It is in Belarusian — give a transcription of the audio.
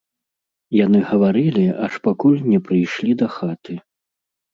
Яны гаварылі, аж пакуль не прыйшлі да хаты.